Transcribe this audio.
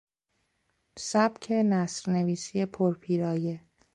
سبک نثر نویسی پر پیرایه